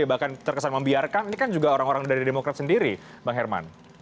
bahkan terkesan membiarkan ini kan juga orang orang dari demokrat sendiri bang herman